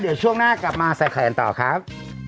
เดี๋ยวช่วงหน้ากลับมาใส่แขนต่อครับ